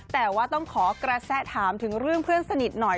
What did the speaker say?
แต่ว่าต้องขอกระแสถามถึงเรื่องเพื่อนสนิทหน่อย